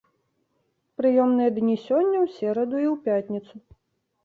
Прыёмныя дні сёння, у сераду і ў пятніцу.